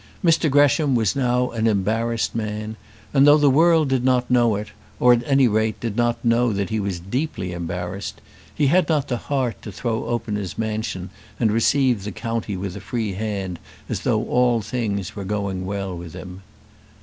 Mr Gresham was now an embarrassed man, and though the world did not know it, or, at any rate, did not know that he was deeply embarrassed, he had not the heart to throw open his mansion and receive the county with a free hand as though all things were going well with him.